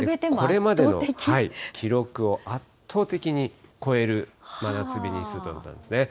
これまでの記録を圧倒的に超える真夏日日数ということだったんですね。